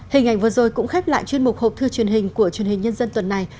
hình ảnh vừa rồi cũng khép lại chuyên mục hộp thư truyền hình của truyền hình nhân dân tuần này